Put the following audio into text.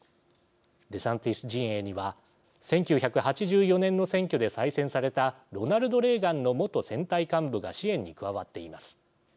デサンティス陣営には１９８４年の選挙で再選されたロナルド・レーガンの元選対幹部が支援に加わっています。